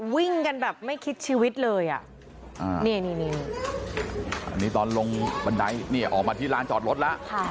วิ่งกันแบบไม่คิดชีวิตเลยอ่ะนี่อันนี้ตอนลงบันไดเนี่ยออกมาที่ร้านจอดรถแล้ว